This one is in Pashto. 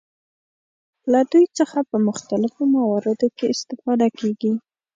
له دوی څخه په مختلفو مواردو کې استفاده کیږي.